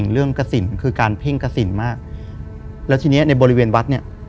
กระสินคือการเพ่งกระสินมากแล้วทีนี้ในบริเวณวัดเนี่ย